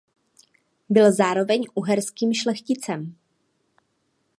Byl zároveň uherským šlechticem.